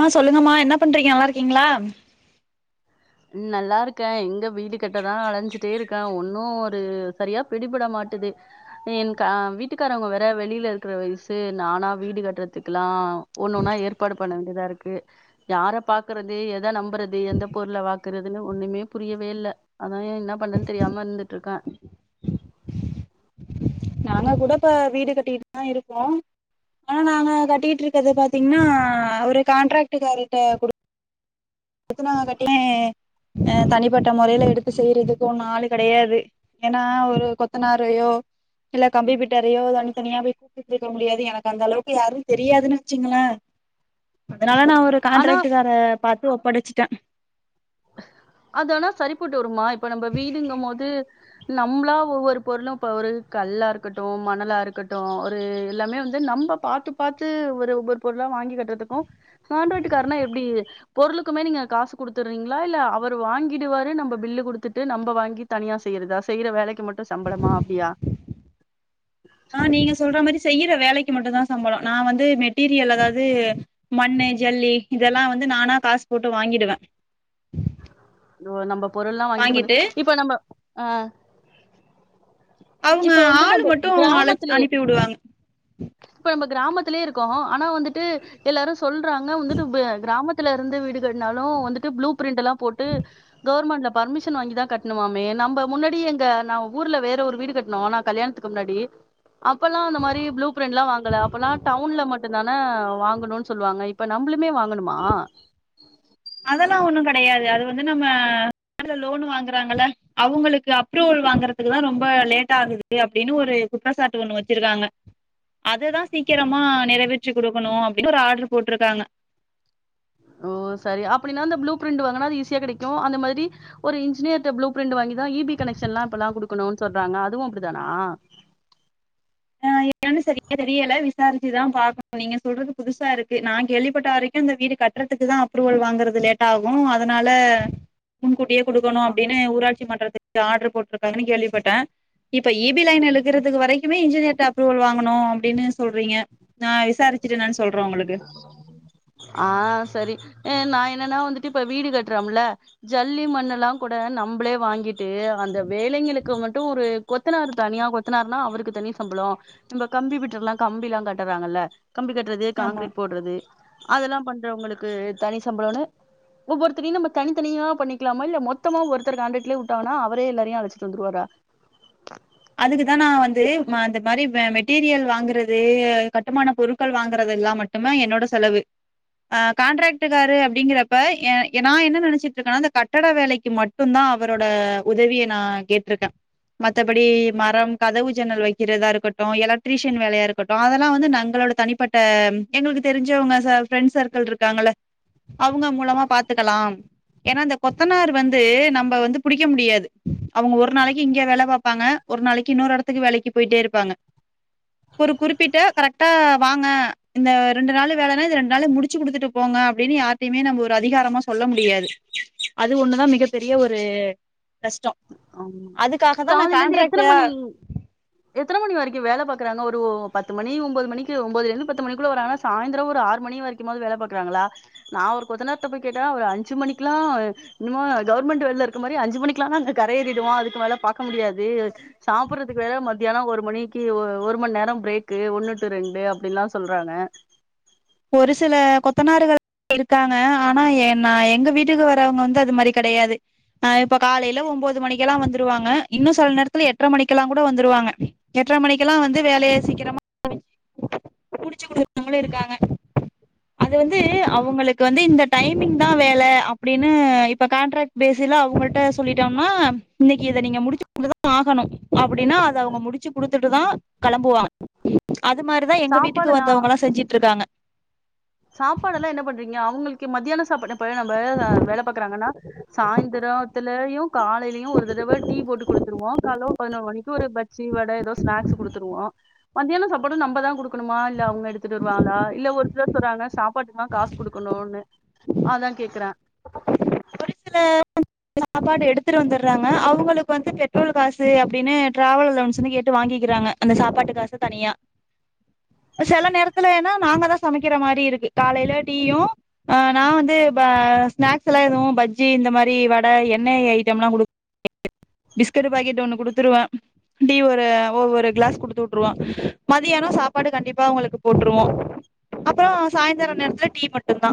ஆ சொல்லுங்கமா என்ன பண்றீங்க நல்லா இருக்கீங்ளா ம் நல்லாருக்கே எங்க வீடு கட்டதா அழஞ்சிட்டே இருக்கே ஒன்னு ஒரு சரியா பிடிபட மாட்டுது என் க வீட்டுக்காரவங்க வேற வெளில இருக்ற வயசு நானா வீடு கட்டுறதுக்ல்லா ஒண்னொன்னா ஏற்பாடு பண்ண வேண்டியதா இருக்கு யார பாக்குறது எத நம்புறது எந்த பொருள வா குறதுன்னு ஒண்ணுமே புரியவே இல்ல அதா என்ன பண்ணனு தெரியாம இருந்துட்டு இருக்கே நாங்க கூட இப்ப வீடு கட்டிட்டுதா இருக்கோ ஆனா நாங்க கட்டிட்டு இருக்கறது பாத்தீங்ன்னா ஒரு கான்ட்ராக்டு காருட்ட குடு த்து நாங்க கட்டினே தனிப்பட்ட மொறையில எடுத்து செய்றதுக்கு ஒன்னு ஆளு கெடையாது ஏன்னா ஒரு கொத்தனாரையோ இல்ல கம்பிபிட்டறையோ தனித்தனியா போய் இருக்க முடியாது எனக்கு அந்த அளவுக்கு யாரும் தெரியாதுன்னு வச்சீங்களே அதனால நா ஒரு ஆனா கான்ட்ராக்டுக் கார பாத்து ஒப்படச்சிட்டே அதானா சரிபட்டு வருமா இப்ப நம்ப வீடுங்கும்போது நம்பளா ஒவ்வொரு பொருளு இப்போ ஒரு கல்லா இருக்கட்டு மணலா இருக்கட்டு ஒரு எல்லாமே வந்து நம்ப பாத்து பாத்து ஒரு ஒவ்வொரு பொருளா வாங்கி கட்றதுக்கு கான்ராக்டுக்கார்னா எப்டி பொருளுக்குமே நீங்க காசு குடுத்து ரிங்களா இல்ல அவரு வாங்கிடுவாரு நம்ப பில்லு குடுத்துட்டு நம்ப வாங்கி தனியா செய்றதா செய்யுர வேலைக்கி மட் சம்பளமா அப்டியா ஆ நீங்க சொல்ற மாரி செய்யுற வேலைக்கி மட்டும்தா சம்பளம் நா வந்து மெட்டீரியல் அதாது மண்ணு ஜல்லி இதல்லா வந்து நானா காசு போட்டு வாங்கிடுவே ஒ நம்ப பொருள்லா வாங்கிட்டு பண்ணு இப்போ நம்ப ஆ அவங்க இப்ப வந்து ஆளு நம்ப மட்டு அழச் கிராமத்துலயே அனுப்பி விடுவாங்க இப்ப நம்ப கிராமத்துலயே இருக்கோ ஆனா வந்துட்டு எல்லாரு சொல்றாங்க வந்துட்டு கிராமத் துல இருந்து வீடு கட்னாலு வந்துட்டு ப்ளூ பிரிண்ட்டல்லா போட்டு கவர்மண்ட்ல பர்மிஷன் வாங்கிதா கட்ணுமாமே நம்ப முன்னாடி எங்க நா ஊர்ல வேற ஒரு வீடு கட்னோ நா கல்யாணத்துக் க்கு முன்னாடி அப்பல்லா அந்த மாரி ப்ளூ பிரண்ட்லா வாங்கல அப்பல்லா டவுன்ல மட்டுதானே வாங்கனுனு சொல்லுவாங்க இப் இப்போ நம்பளுமே வாங்கணுமா அதெல்லா ஒண்ணு கெடையாது அது வந்து நம்ம பாங்க்ல லோனு வாங்குறாங்கள அவுங்களுக்கு அப்ரூவல் வாங்குறதுக்குதா ரொம்ப லேட்டாகுது அப்டின்னு ஒரு குற்றச்சாட்டு ஒண்ணு வச்சிருக்காங்க அதுதா சீக்கிரமா நிறைவேற்றி குடுக்கணு அப்டின்னு ஒரு ஆட்ரு போட்ருக்காங்க ஓ சரி அப்டின்னா அந்த ப்ளூ பிரிண்டு வாங்குனா அது ஈஸியா கெடைக்கு அந்த மாரி ஒரு இன்ஜினியர்ட ப்ளூ பிரிண்டு வாங்கிதா இ பி கனெக்ஷன்ல்லா இப்பல்லா குடுக்கணுனு சொல்றாங்க அதுவு அப்டிதானா என்னன்னு [inaudible] சரியா தெரியல விசாரிச்சுதா பாக்கணு நீங்க சொல்றது புதுசா இருக்கு நா கேள்விப்பட்ட வரைக்கு இந்த வீடு கட்றதுக்குதா அப் அப்ரூவல் வாங்குறது லேட்டாகு அதனால முன்கூட்டியே குடுக்கணு ஆ அப்டின்னு ஊராட்சி மன்றத் ஆட்ரு போட்ருக்காங்கன்னு கேள்விபட்டே இப்ப இ பி லைன் இழுக்குறதுக்கு வரைக்குமே இன்ஜினியர் ட அப்ரூவல் வாங்கணு அப்டின்னு சொல்றீங்க நா விசாரிச்சுட்டு எனான்னு சொல்றே உங்களுக்கு ஆ சரி நா என்னன்னா வந்துட்டு இப்ப வீடு கட்றம்ல ஜல்லி மண்ணுல்லா கூட நம்பளே வாங்கிட்டு அந்த வேலைங்களுக்கு மட்டு ஒரு கொத்தனாரு தனியா கொத்தனாருனா அவருக்கு தனி சம்பளோ நம்ப கம்பி விட்டுருலா கம்பிலா கட்டறாங்கல்ல கம்பி கட்றது ஆமா காங்கிரெட் போட்றது அதெல்லா பண்றவங்களுக்கு தனி சம்பளனுனு ஒவ்வொருத்தரயு நம்ப தனித்தனியா பண்ணிக்கலாமா இல்ல மொத்தமா ஒருத்தர் கான்டேட்லயே உட்டாங்கனா அவரே எல்லாரையு அழச்சிட்டு வந்துருவாரா அதுக்குதா நா வந்து அந்த மாரி மெட்டீரியல் வாங்குறது கட்டுமான பொருட்கள் வாங்கறது எல்லா மட் டடும்தா என்னோட செலவு அ கான்ட்ராக்டுக்காரு அப்டிங்கறப்ப எ நா என்ன நெனச்சிட்டு இருக்கனா இந்த கட்டட வேலக்கி மட் மட்டும்தா அவரோட உதவிய நா கேட்ருக்கே மத்த அப்படி மரம் கதவு ஜன்னல் வக்கிறதா இருக்கட்டு எலக்ட்ரீஷன் வேலயா இருக்கட்டு அதெல்லா வந்து நங்களோட தனிப்பட் ட எங்களுக்கு தெரிஞ்சவுங்க ஃப்ரெண்ட்ஸ் சர்க்கள் இருக்காங்ல அவுங்க மூலமா பாத்துக்கலாம் ஏனா இந்த கொத்தனார் வந்து நம்ப வந்து புடிக்க முடியாது அவுங்க ஒரு நாளைக்கி இங்க வேல பாப் இருப்பாங்க ஒரு நாளைக்கு இன்னொரு எடத்துக்கு வேலைக்கு போயிட்டே இருப்பாங்க ஒரு குறிப்பிட்ட கரெக்ட்டா வாங்க இந்த ரெண்டு நாளு வேலைன்னா இது ரெண்டு நாள்ல முடிச்சு குடுத்துட்டு போங்க அப்பிடின்னு யார் எப்பயுமே நம்ம ஒரு அதிகாரமா சொல்ல முடியாது அது ஒண்ணுதா மிகப்பெரிய ஒரு கஷ்டோ அதுக்காக தா நா லைலருந்து எத்தன கான்ட்ராக்டா மணி எத்தன மணி வரைக்கு வேல பாக்குறாங்க ஒரு ஒ பத்து மணி ஒம்போது மணிக்கு ஒம்போதுலருந்து பத்து மணிக்குள்ள வராங்கா சாய்ந்திர ஒரு ஆறு மணி வரைக் வது வேல பாக்கறாங்களா நா ஒரு கொத்தனார்ட்ட போய் கேட்டா அவர் ஒரு அஞ்சு மணிக்குல்லா என்னமோ கவர்மெண்ட் வேல்ல இருக்கிற மாரி அஞ்சு மணிக்குல்லா நாங்க கர ஏறிடுவோ அதுக்கு மேலப் பாக்க முடியாது சாப்புட்றதுக்கு வேற மத்தியானோ ஒரு மணிக்கு ஒ ஒரு மண் நேரம் பிரேக்கு ஒண்ணு டூ ரெண்டு அப்பிடின்ல்லா சொல்றாங்க ஒரு சில கொத்தனாருகள் இருக்காங்க ஆனா எ ந எங்க வீட்டுக்கு வரவங்க வந்து அது மாரி கெடையாது ஆ இப்ப காலைல ஒம்போது மணிக்கெல்லா வந்துருவாங்க இன்னு செல நேரத்துல எட்டர மணிக்கு எல்லா கூட வந்துருவாங்க எட்டர மணிக்கெல்லா வந்து வேலைய சீக்கிரமா முடிச்சு [inaudible] முடிச்சு குடுக்கறவங்களு இருக்காங்க அது வந்து அவங்களுக்கு வந்து இந்த டைமிங் தான் வேல அப்பிடின்னு இப்ப கான்ட்ராக்ட் பேசிலா அவுங்கள்ட்ட சொல்லிட்டோம்னா இன்னக்கி இத நீங்க முடிச்சு குடுத்து தா ஆகணு அப்பிடின்னா அத அவுங்க முடிச் வெச்சு குடுத்துட்டு தா கெளம்புவா அது மாரி தா எங்க வீட்டுக்கு சாப்பாடெல்லா வந்தவங்கெல்லா செஞ்சிட்ருக்காங்க சாப்பாடெல்லா என்ன பண்றீங்க அவுங்களுக்கு மத்தியான சாப்பாடு இப்போ நம்ப அ வேலப் பாக்கறாங்கன்னா சாயந்துரோத்திலயு காலையிலயூ ஒரு தடவ டீ போட்டு குடுத்துருவ்வோ கால்லோ ஒரு பதினொரு மணிக்கு ஒரு பஜ்ஜி வட ஏதோ ஸ்நாக்ஸ் குடுத்துருவோ மத்தியானோ சாப்பாடு நம்ப தா குடுக்கணுமா இல்ல அவுங்க எடுத்துட்டு வருவாங்களா இல்ல ஒரு சிலர் சொல்றாங்கா சாப் ட்னுமா காசு குடுக்கணுன்னு அதா கேக்குறே ஒரு சில சாப்பாடு எடுத்துட்டு வந்தறாங்க அவுங்களுக்கு வந்து பெட்ரோல் காசு அப்பிடின்னு ட்ராவல் அலோவன்ஸ்ன் கேட்டு வாங்கிக்கிறாங்க அந்த சாப்பாட்டு காசு தனியா செல நேரத்துல ஏனா நாங்க தா சமைக்கிற மாரி இருக்கு காலைல டீயு ஆ நா வந்து இப்ப ஸ்நாக்ஸ் எல்லா எதுவு பஜ் ஜி இந்த மாதிரி வட எண்ணெய் ஐட்டம் எல்லா குடுக் [inaudible] பிஸ்கட்டு பாக்கெட் ஒண்ணு குடுத்துருவே டீ ஒரு ஒவ்வொரு கிளாஸ் குடுத்து வுட்டுருவோ மதியானம் சாப்பாடு கண்டிப்பா அவுங்களுக்கு போட்டுருவோ அப்புறோ சாயந்தர நேரத்துல டீ மட்டுந் தா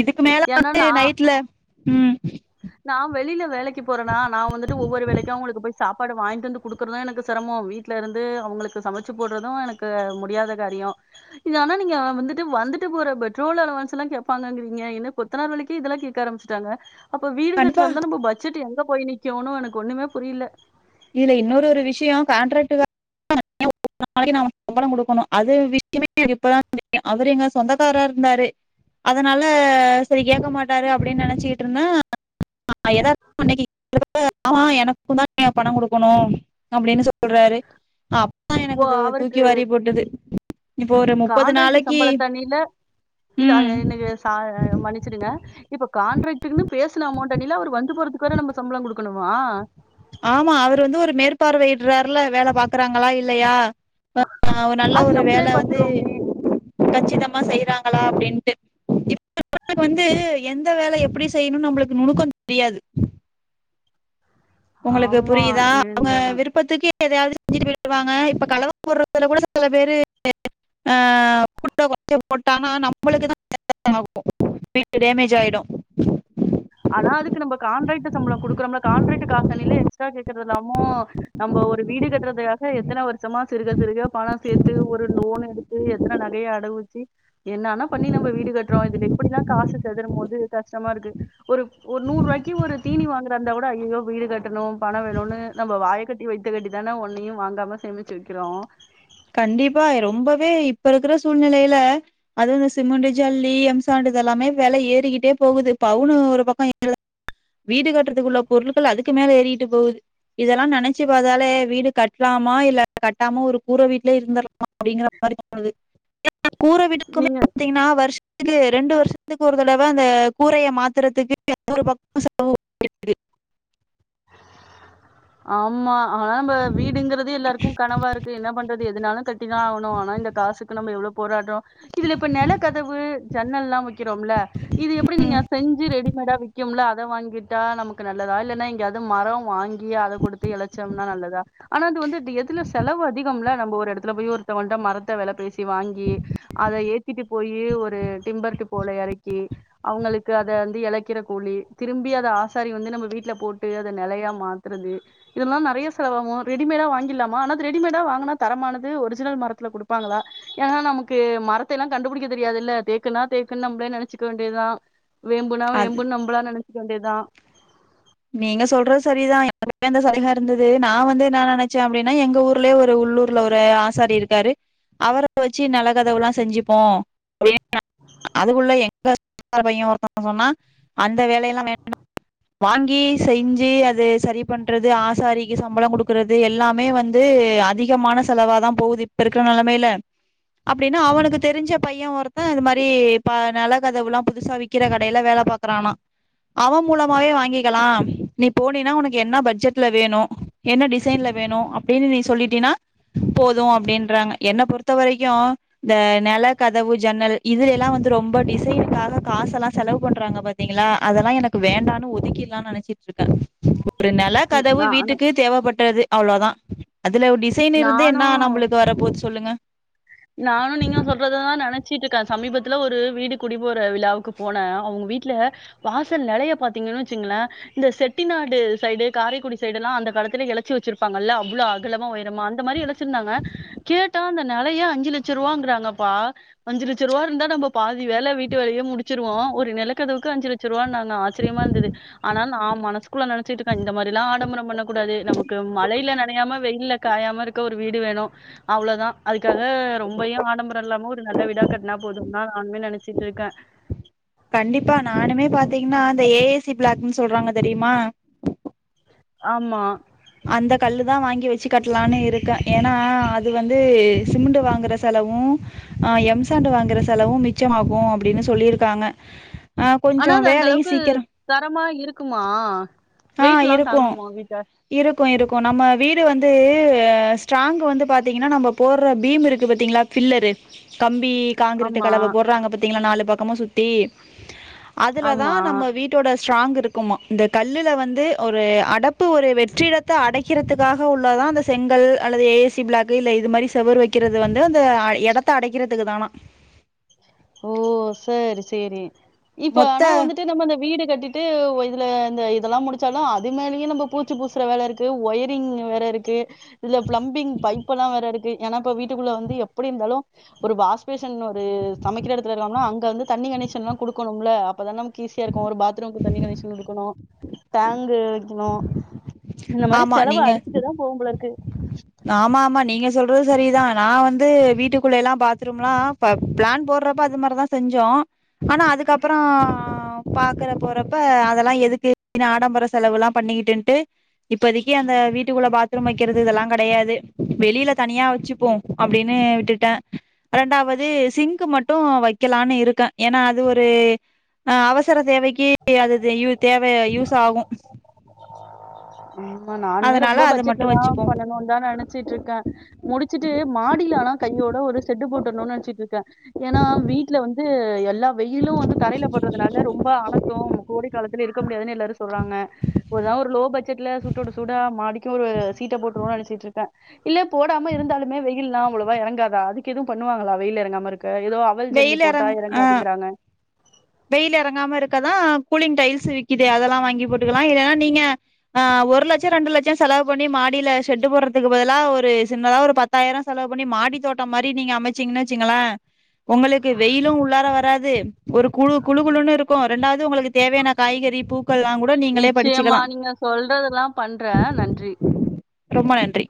இதுக்கு மேல ஏன்னா வந்து நா நைட்ல ம் நா வெளில வேலைக்கு போறனா நா வந்துட்டு ஒவ்வொரு வேலைக்கு அவுங்களுக்கு போய் சாப்பாடு வாங்கிட்டு வந்து குடுக்குற்லா எனக்கு செரமமோ வீட்ல இருந்து அவுங்களுக்கு சமச்சு போடுறதூ எனக்கு முடியாத காரியோ இது ஆனா நீங்க அ வந்துட்டு வந்துட்டு போற பெட்ரோல் அளவன்ஸ்ல்லா கேப்பாங்கிறீங்க என்ன கொ த்தனார் வேலைக்கி இதெல்லா கேக்க ஆரம்பிச்சிட்டாங்க அப்போ வீடு கண்டிப்பா கட்றதாருந்தா நம்ம பட்ஜெட் எங்க போய் நிக்கூனு எனக்கு ஒண்ணுமே புரியல இதுல இன்னொரு ஒரு விஷயோ கான்ட்ராக்ட் கார பு ஆல்ரெடி நா சம்பளோ கொடுக்கனோ அது விஷ் யமே இப்ப தா தெரியூ அவரு எங்க சொந்தக்காரரா இரூந்தாரு அதனால சரி கேக்க மாட்டாரு அப்பிடின்னு நெனச்சக்கிட்டு இருந்தோ ஹ் நா யதார்த்தமா அன்னிக்கி கேக்குறப்ப ஆமா எனக்குந் தா நீங் பணம் குடுக்கணும் அப்டின்னு சொ போட்றாரு அப்ப ஓ எனக்கு தூ தூக்கி அவருக்கு வாரி போட்டுது இப்போ ஒரு முப்பது கான்ட்ராக்ட் நாளைக்கி சம்பள தண்ணில இல்ல அது இன்னக்கு சா மன்னிச்சிடுங்க இப்போ கான்ட்ராக்ட்க்குன்னு பேசுன அமௌண்ட் அடில அவர் வந்து போறதுக்கு வேற நம்ப சம்பளோ குடுக்கணுமா ஆமா அவர் வந்து ஒரு மேற்பார்வையிட்றாருல்ல வேல பாக்குறாங்களா இல்லயா ப்ப அ ஒரு நல்ல அது ஒரு நம்மளே வேல வந்து பாத்துருவோமே கச்சிதமா செய்யறாங்களா அப்டின்ட்டு [inaudible] [inaudible] வந்து எந்த வேல எப்டி செய்யணும்னு நம்மளுக்கு நுணுக்க தெரியாது உங்களுக்கு ஆமா புரியுதா அவங்க இருந்தாலு விருப்பத்துக்கே எதையாவது செஞ்சுட்டு போயிடுவாங்க இப்ப கலவ போடுறதுல கூட சில பேரு ஆ கூட்ட கொஞ்ச போட்டானா நம்மளுக்கு தா [inaudible] ஆகு வீட்டு டேமேஜ் ஆயிடும் ஆனா அதுக்கு நம்ப காண்ட்ராக்ட்டு சம்பளம் குடுக்கிறோம்ல காண்ட்ராக்ட் காசனிலே எக்ஸ்ட்ரா கேக்குறது இல்லாமோ நம்போ ஒரு வீடு கட்டுறதுக்காக எத் எத்தன வருஷமா சிறுக சிறுக பண சேர்த்து ஒரு லோன் எடுத்து எத்தன நகைய அடகு வச்சு என்னனா பண்ணி நம்ப வீடு கட்றோ இதுல இப்படிலா காசு செதறும் போது கஷ்டமா இருக்கு ஒரு ஒரு நூறுவாக்கி ஒரு தீனி வாங்கறந்தா கூட ஐய்யயோ வீடு கட்டணு பணம் வேணும்னு நம்ம வாயைக் கட்டி வைத்த கட்டி தானே ஒன்னையு வாங்காம சேமிச்சு வைக்கிறோ கண்டிப்பா ரொம்பவே இப்ப இருக்கிற சூழ்நிலையில அதுவு இந்த சிமெண்ட் ஜல்லி எம் சாண்ட் இத எல்லாமே வெல ஏறிக்கிட்டே போகுது பவுனு ஒரு பக்கோ [inaudible] வீடு கட்டுறதுக்குள்ள பொருட்கள் அதுக்கு மேல ஏறிட்டு போகுது இதெல்லா நெனச்சு பாத்தாலே வீடு கட்டலாமா இல்ல கட்டாம ஒரு கூற வீட்டுலய இருந்தர்லா அப்படிங்கற மாரி தோணுது எனா கூற வீடுக்குமே நீங்க [inaudible] பாத்தீங்கன்னா வருஷத்து ரெண்டு வருஷத்துக்கு ஒரு தடவ அந்த கூரைய மாத்தறத்துக்கு ஒரு பக் [inaudible] ஆமா ஆனா நம்ம வீடுங்கறது எல்லாருக்கு கனவா இருக்கு என்ன பண்றது எதுனாலும் கட்டிதா ஆவணு ஆனா இந்த காசுக்கு நம்ம எவ்ளோப் தன போராட்டோ இதுல இப்ப நெல கதவு ஜன்னல்லா வக்கிறோம்ல இது எப்டி நீங்க செஞ்சு ரெடிமேடா விக்கும்ல அத வாங்கிட்டா நமக்கு நல்லதா இல்லன்னா இங்க அது மரம் வாங்கி இங்க அத குடுத்து எழச்சோம்னா நல்லதா ஆனா அது வந்து எப்டி எதுல செலவு அதிகம்ல நம்ம ஒரு எடத்துல போய் ஒருத்தவன்ட மரத்த வெல பேசி தி வாங்கி அத ஏத்திட்டு போயி ஒரு டிம்பர்டி போல எறக்கி அவங்களுக்கு அத வந்து இழக்கிற கூழி திரும்பி அத ஆசாரி வந்து நம்ம வீட்டுல போட்டு அத நெலையா மாத் திறந்து இதெல்லா நெறைய செலவாவு ரெடிமேடா வாங்கிலாமா ஆனா அது ரெடிமேடா வாங்குனா தரமானது ஒரிஜினல் மரத்துல குடுப்பாங்களா ஏன்னா நமக்கு மரத்தை எல்லா கண்டுபிடிக்க தெரியாதுல்ல தேக்குனா தேக்குன்னு நம்பளே நெனச்சுக்க வேண்டியதுதா வேம்புனா அது வேம்புன்னு நம்மள நனைச்சக்க வேண்டியதுதா நீங்க சொல்றது சரிதா எனக்கு அந்த சலுகா இருந்தது நா வந்து என்ன நினைச்சே அப்படின்னா எங்க ஊர்லேயே ஒரு உள்ளூர் பக்கத்துல ஒரு ஆசாரி இருக்காரு அவர வச்சு நல்ல கதவுல்லா செஞ்சுப்போ [inaudible] அதுக்குள்ள எங்க சொந்தக்கார பையன் ஒருத்த சொன்னா ஒருத்தங்க சொன்னா அந்த வேலையெல்லா வேண்டா வாங்கி செஞ்சி அது சரி பண்றது ஆசாரிக்கு சம்பளம் குடுக்குறது எல்லாமே வந்து அதிக முக்கியமான செலவா தா போகுது இப்ப இருக்கிற நெலமையில அப்படின்னா அவனுக்கு தெரிஞ்ச பையன் ஒருத்த அது மாரி ப நெல கதவுல்லா புதுசா விறக்கிற கடையில வேல பாக் [unintelligible] அவ மூலமாவே வாங்கி கிக்கலா நீ போனீனா உனக்கு என்ன பட்ஜெட்ல வேணு என்ன டிசைன்ல வேணு அப்படின்னு நீ சொல்லிட்டீனா போது அப்படின்றாங்க என்னை பொறுத்த வரைக்கும் இந்த நெல கதவு ஜன்னல் இதுல எல்லா வந்து ரொம்ப டிசைனுக்காக காசு எல்லா செலவு பண்றாங்க பாத்தீங்களா அதெல்லா எனக்கு வேண்டானு ஒதுக்கி லா நினைச்சிட்ருக்கே ஒரு நெல கதவு நானு வீட்டுக்கு தேவைப்பட்டது அவ்ளோதா அதுல டிசைன் இருந்து என்னா நானு நம்மளுக்கு வர போது சொல்லுங்க நானு நீங்க சொல்றத தா நெனச்சிட்ருக்கே சமீபத்துல ஒரு வீடு குடி போற விழாவுக்கு போனே அவங்க வீட்டுல வாசல் நெலைய பாத்தீங்கன்னு வச்சிங்களே இந்த செட்டிநாடு சைடு காரைக்குடி சைடு எல்லா அந்த காலத்துல எலச்சு வச்சிருப்பாங்கள அவ்ளோ அகலமா உயரமா அந்த மாரி எலச் வெச்சிருந்தாங்க கேட்டா அந்த நெலைய அஞ்சு லட்ச ரூவாங்கறாங்கப்பா அஞ்சு லட்ச ரூவா இருந்தா நம்ம பாதி வேல வீட்டு வேலையே முடிச்சிடுவோ ஒரு நெலக்கதவுக்கு அஞ்சு லட்ச் லட்ச ரூபாய் நா ஆச்சரியமா இருந்தது ஆனா நா மனசுக் குள்ள நெனைச்சிட்டுருக்க இந்த மாரிலா ஆடம்பரம் பண்ணக்கூடாது நமக்கு மழையில நனையாப வெயில்ல காயாமருக்க ஒரு வீடு வேணு அவ்ளோதா அதுக்காக ரொம்பையு ஆடம்பர இல்லாம ஒரு நல்ல வீடா கட்னா போதும்தா நானுமே நெனைச்சிட்ருக்க கண்டிப்பா நானுமே பாத்தீங்கன்னா அந்த ஏ ஐ சி பிளாக்ன்னு சொல்றாங்க தெரியுமா ஆமா அந்த கல்லுதா வாங்கி வச்சி கட்லானு இருக்க ஏன்னா அது வந்து சிமிண்டு வாங்குற செலவும் ஆ எம்சாண்டு வாங்குற செலவு மிச்சமாகு அப்டின்னு சொல்லியிருக்காங்க ஆ ஆனா கொஞ்சோ அது அந்த வேலையு அளவுக்கு சீக்கரோ தரமா இருக்குமா வெயிட்லா தாங்குமா வீட்ட இருக்கும் இருக்கும் நம்ம வீடு வந்து ஸ்ட்ராங்க் வந்து பாத்தீங்கன்னா நம்ம போடுற பீம் இருக்கு பாத்தீங்களா ஃபில்லரு கம்பி கான்கிரீட்டு் ஆமா, கலவ போட்றாங்க பாத்தீங்களா நாலு பக்கமு சுத்தி அதுலதா ஆமா. நம்ம வீட் டோட ஸ்ட்ராங் இருக்குமா இந்த கல் கல்லுல வந்து ஒரு அடப்பு ஒரு வெற்றிடத்த அடைக்கிறதுக்காக உள்ளதா அந்த செங்கல் அல்லது ஏ ஐ சி பிளாக் க்கு இல்ல இது மாரி செவுர் வக்கிறது வந்து அந்த எடத்த அடைக்கறதுக்கு தானா ஓ சரி சேரி இப்ப மொத்த ஆனா வந்துட்டு நம்ம இந்த வீடு கட்டிட்டு ட்டு இதுல இந்த இதெல்லா முடிச்சாலும் அது மேலேயும் நம்ம பூச்சி பூசுற வேல இருக்கு ஒயரிங் வேற இருக்கு இதுல பிளம்பிங் பைப் எல்லா வேற இருக்கு ஏன்னா இப்ப வீட்டுக்குள்ள வந்து எப்டி இருந்தாலு ஒரு வாஷ்பேஷன் ஒரு சமைக்கிற எடத்துல இல்லாமனா அங்க வந்து தண்ணி கனெக்சன்லா குடுக்கணும்ல அப்பதா நமக்கு ஈஸியா இருக்கும் ஒரு பாத்ரூமுக்கு தண்ணி கனெக்சன் குடுக்கணு டேங்கு வக்கணு இந்த மாரி ஆமா செலவு நீங்க அடிக்கிட்டேதா போவும் போல இருக்கு ஆமா ஆமா நீங்க சொல்றது சரிதா நா வந்து வீட்டுக்குள்ளல்லா பாத்ரூம்லா இப்ப பிளான் போடுறப்ப அது மாரிதா செஞ்சோ ஆனா அதுக்கப்புற பாக்கற போறப்ப அதெல்லா எதுக்கு ஆடம்பர செலவுலா பண்ணிக்கிட்டுன்ட்டு இப்பதிக்கி அந்த வீட்டுக்குள்ள பாத்ரூம் வக்கிறது இதெல்லா கெடையாது வெளியில தனியா வச்சிப்போ அப்படின்னு விட்டுட்ட ரெண்டாவது சிங்க்கு மட்டு வக்கலானு இருக்க ஏன்னா அது ஒரு ஆ அவசர தேவைக்கி அது இது யூ தேவ யூஸ் ஆகு ஆமா நானுமே அதனால ரொம்ப அது பட்ஜெட்ல மட்டும் தா வச்சுப்போம் பண்ணணுன்னு தா நெனைச்சிட்டு இரு க்க முடிச்சிட்டு மாடியில ஆனா கையோட ஒரு செட்டு போட்டுடனும்னு நெனைச்சிட்டு இருக்க ஏன்னா வீட்ல வந்து எல்லா வெயிலு வந்து தரையில பட்றதுனால ரொம்ப அணத்தும் கோடை காலத்துல இருக்க முடியாதுன்னு எல்லாரும் சொல்றாங்க ஏதாது ஒரு லோ பட் ஜெட்ல சூட்டோட சூடா மாடிக்கும் ஒரு சீட்ட போட்டுருவோன்னு நெனைச்சிட்டு இருக்க இல்ல போடாம இருந்தாலுமே வெயில்லா அவ்வளவா எறங்காதா அதுக்கு எதுவு பண்ணுவாங்களா வெயில் எறங்காம இருக்க ஏதோ எவர் ஜல்லி வெயில் போட்டா இறங் ஆஹ் எறங்காதுங்கறாங்க வெயில் ஈறங்காம இருக்கதா கூலிங் டைல்ஸ் விக்கிதே அதெல்லா வாங்கி போட்டுக்கலா இல்லன்னா நீங்க ஆ ஒரு லட்ச ரெண்டு லட்ச செலவு பண்ணி மாடியில ஷெட்டு போட்றதுக்கு பதிலா ஒரு சின்னதா ஒரு பத் பத்தாயிர செலவு பண்ணி மாடி தோட்டம் மாரி நீங்க அமைச்சீங்கன்னு வச்சிங்கள உங்களுக்கு வெயிலு உள்ளார வராது ஒரு குழு குழு குழுன்னு இருக்கும் ரெண்டாவது உங்களுக்கு தேவையான காய்கறி பூக்கள்லா கூட நீங்களே பறிச்சிக்கலா சொல்றதெல்லா பண்ற நன்றி ரொம்ப நன்றி